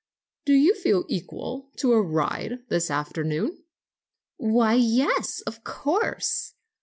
"Do you feel equal to a ride this afternoon?" "Why, yes; of course!